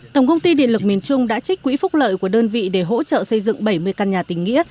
tổng công ty điện lực miền trung đã trích quỹ phúc lợi của đơn vị để hỗ trợ xây dựng bảy mươi căn nhà tình nghĩa